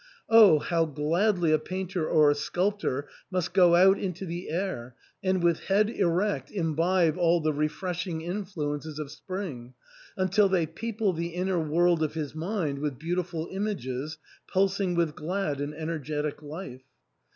Oh, how gladly a painter or a sculptor must go out into the air, and with head erect imbibe all the refreshing influences of spring, until they people the inner world of his mind with beauti ful images pulsing with glad and energetic life